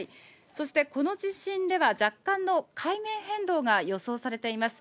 そしてこの地震では若干の海面変動が予想されています。